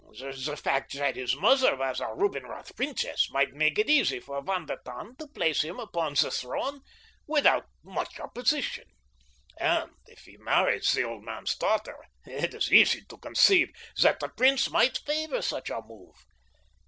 The fact that his mother was a Rubinroth princess might make it easy for Von der Tann to place him upon the throne without much opposition, and if he married the old man's daughter it is easy to conceive that the prince might favor such a move.